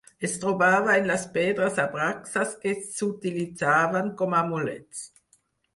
Es trobava en les pedres Abraxas que s'utilitzaven com amulets.